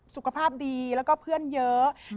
สุขภาพดีแล้วก็เพื่อนเยอะ